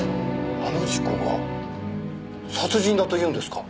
あの事故が殺人だというんですか？